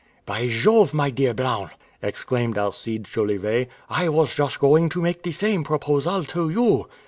"By Jove, my dear Blount!" exclaimed Alcide Jolivet, "I was just going to make the same proposal to you."